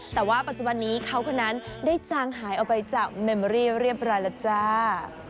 แต่ว่าปัจจุบันนี้เขาคนนั้นได้จางหายออกไปจากเมมอรี่เรียบร้อยแล้วจ้า